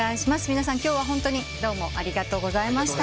皆さん今日はホントにどうもありがとうございました。